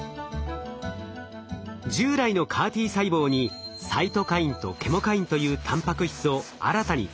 従来のＣＡＲ−Ｔ細胞にサイトカインとケモカインというたんぱく質を新たに搭載したもの。